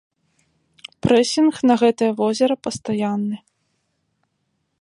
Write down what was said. Прэсінг на гэтае возера пастаянны.